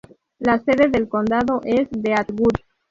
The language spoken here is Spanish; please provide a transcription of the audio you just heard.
La sede del condado es Deadwood.